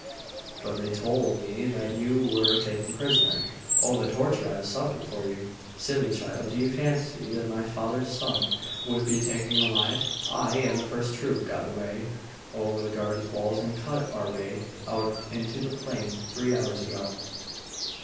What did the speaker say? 'But they told me that you were taken prisoner. Oh, the torture I have suffered for you!' 'Silly child! Did you fancy my father's son would be taken alive? I and the first troop got away over the garden walls, and cut our way out into the plain, three hours ago.